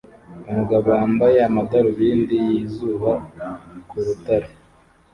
Umugabo wambaye amadarubindi yizuba ku rutare